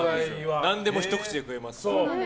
何でもひと口で食えます。